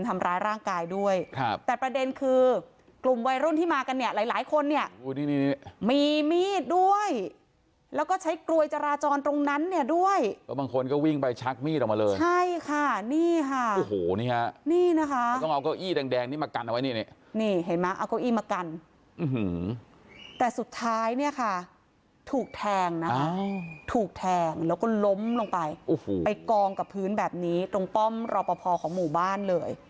ทำร้ายร่างกายด้วยครับแต่ประเด็นคือกลุ่มวัยรุ่นที่มากันเนี่ยหลายหลายคนเนี่ยมีมีดด้วยแล้วก็ใช้กลวยจราจรตรงนั้นเนี่ยด้วยก็บางคนก็วิ่งไปชักมีดออกมาเลยใช่ค่ะนี่ค่ะโอ้โหนี่ฮะนี่นะคะต้องเอาเก้าอี้แดงนี่มากันเอาไว้นี่นี่เห็นไหมเอาเก้าอี้มากันแต่สุดท้ายเนี่ยค่ะถูกแทงนะถูกแทงแล้วก็ล้มลงไปโอ้โหไปกองกับพื้นแบบนี้ตรงป้อมรอปภของหมู่บ้านเลย